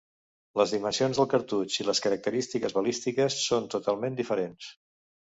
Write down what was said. Les dimensions del cartutx i les característiques balístiques són totalment diferents.